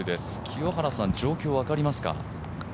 清原さん、状況分かりますか？